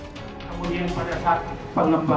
kemudian pada saat pengembangan